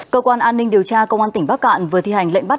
cơ quan an ninh điều tra công an tỉnh bắc cạn vừa thi hành lệnh bắt